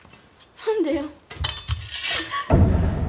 何でよ？